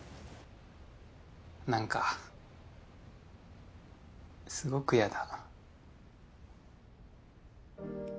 なんかすごく嫌だ。